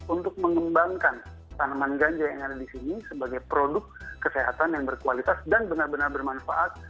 untuk mengembangkan tanaman ganja yang ada di sini sebagai produk kesehatan yang berkualitas dan benar benar bermanfaat